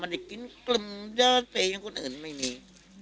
ไม่ได้กินกลึ่มเยอะเฟ้ยอย่างคนอื่นไม่มี